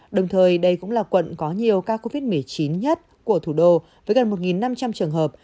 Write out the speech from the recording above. đồng thời đây cũng là quận có nhiều ca covid một mươi chín nhất của thủ đô với gần một năm trăm linh trường hợp